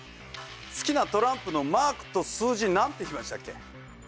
好きなトランプのマークと数字何て言いましたっけ？